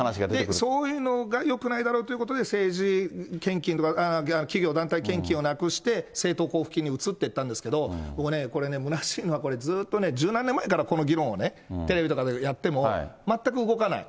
そういうのがよくないだろうってことで、政治献金とか、企業団体献金をなくして、政党交付金に移っていったんですけど、僕ね、これね、むなしいのは、ずっとね、十何年前からこの議論をテレビとかでやっても、全く動かない。